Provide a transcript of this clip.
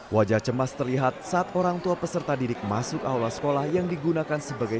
wajah cemas terlihat saat orang tua peserta didik masuk aula sekolah yang digunakan sebagai